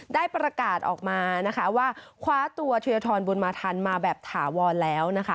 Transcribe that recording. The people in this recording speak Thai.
ได้ประกาศออกมาว่าคว้าตัวถือทรนบุญมาทันมาแบบถาวรแล้ว